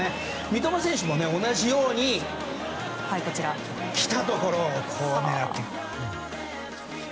三笘選手も同じように来たところをよける。